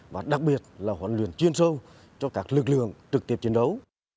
và đặc biệt là huấn luyện chuyên sâu cho các lực lượng trực tiếp chiến đấu